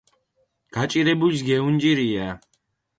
გაჭირებულს გეუნჭირია